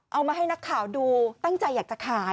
เอามาให้นักข่าวดูตั้งใจอยากจะขาย